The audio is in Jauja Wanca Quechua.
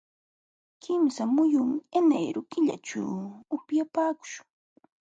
Kimsa muyunmi enero killaćhu upyapaakuśhun.